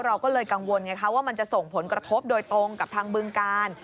เราก็เลยกังวลไงคะว่ามันจะส่งผลกระทบโดยตรงกับทางบึงกาล